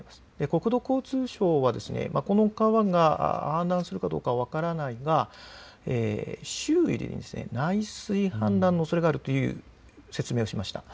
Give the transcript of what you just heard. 国土交通省はこの川が氾濫するかどうか分からないが周囲で内水氾濫のおそれがあるという説明をしました。